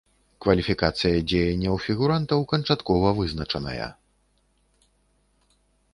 Кваліфікацыя дзеянняў фігурантаў канчаткова вызначаная.